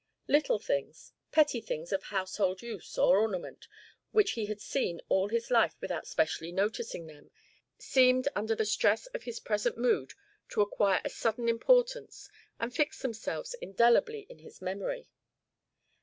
Little things, petty objects of household use or ornament, which he had seen all his life without specially noticing them, seemed under the stress of his present mood to acquire a sudden importance and fix themselves indelibly in his memory.